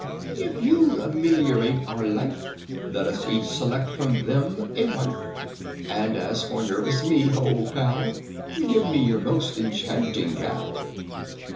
"If you'd ameliorate our life, Let each select from them a wife; And as for nervous me, old pal, Give me your own enchanting gal!"